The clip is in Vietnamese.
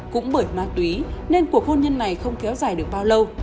cũng bởi ma túy nên cuộc hôn nhân này không kéo dài được bao lâu